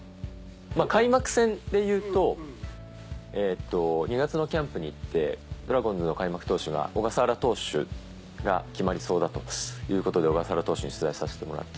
開幕戦でいうと２月のキャンプに行ってドラゴンズの開幕投手が小笠原投手が決まりそうだということで小笠原投手に取材させてもらって。